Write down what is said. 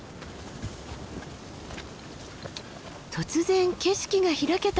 突然景色が開けた。